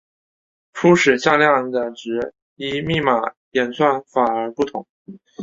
初始向量的值依密码演算法而不同。